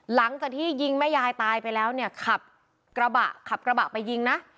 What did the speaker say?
หลังจากที่ยิงแม่ยายตายไปแล้วเนี่ยขับกระบะขับกระบะไปยิงนะ